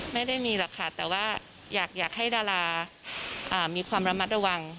ไม่ได้มีหรอกค่ะแต่ว่าอยากให้ดารามีความระมัดระวัง